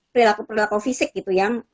perilaku perilaku fisik gitu yang